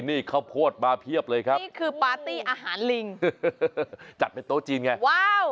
นี่ข้าวโพดมาเพียบเลยครับนี่คือปาร์ตี้อาหารลิงจัดเป็นโต๊ะจีนไงว้าว